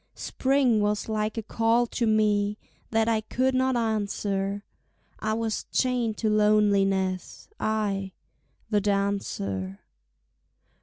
Spring was like a call to me That I could not answer, I was chained to loneliness, I, the dancer.